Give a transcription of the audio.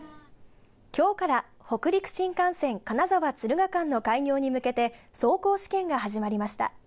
きょうから北陸新幹線金沢・敦賀間の開業に向けて、走行試験が始まりました。